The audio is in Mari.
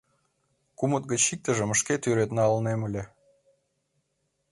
Кумыт гыч иктыжым шке тӱред налнем ыле.